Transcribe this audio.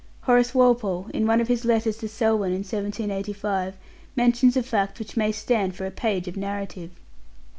Horace Walpole, in one of his letters to Selwyn in 1785, mentions a fact which may stand for a page of narrative.